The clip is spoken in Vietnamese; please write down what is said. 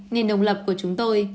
nền đồng lập của chúng tôi